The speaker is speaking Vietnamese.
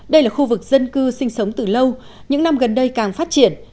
đây là khu vực dân cư sinh sống từ lâu những năm gần đây càng phát triển